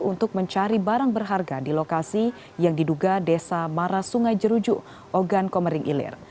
untuk mencari barang berharga di lokasi yang diduga desa maras sungai jeruju ogan komering ilir